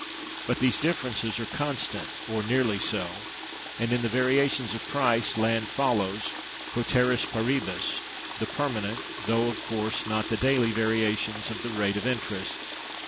But these differences are constant, or nearly so; and, in the variations of price, land follows, cæteris paribus, the permanent (though, of course, not the daily) variations of the rate of interest.